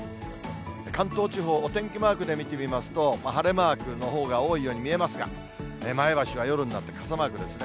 関東地方、お天気マークで見てみますと、晴れマークのほうが多いように見えますが、前橋は夜になって傘マークですね。